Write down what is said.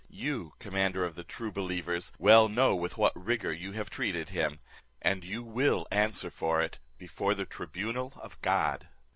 You, commander of the true believers, well know with what rigour you have treated him, and you will answer for it before the tribunal of God."